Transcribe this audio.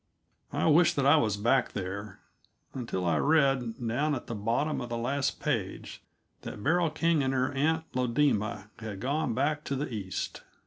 I wished that I was back there until I read, down at the bottom of the last page, that Beryl King and her Aunt Lodema had gone back to the East.